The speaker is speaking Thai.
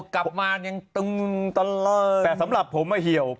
แต่สำหรับผมก็เหี่ยว